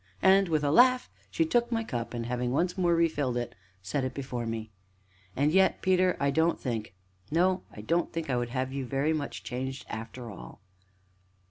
And, with a laugh, she took my cup and, having once more refilled it, set it before me. "And yet, Peter I don't think no, I don't think I would have you very much changed, after all."